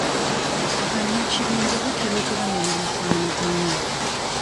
Bannakibinja batera okuba ne bye bafaanaganya.